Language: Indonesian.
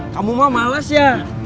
kamu mah males ya